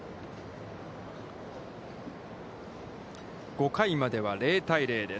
５回までは０対０です。